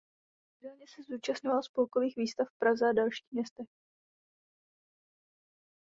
Pravidelně se zúčastňoval spolkových výstav v Praze a dalších městech.